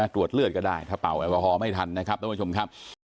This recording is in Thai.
ตรวจเลือดก็ได้ถ้าเป่าแอลกอฮอลไม่ทันนะครับท่านผู้ชมครับ